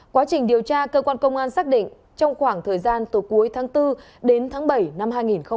quá trình điều tra cơ quan công an xác định trong khoảng thời gian từ cuối tháng bốn đến tháng bảy năm hai nghìn hai mươi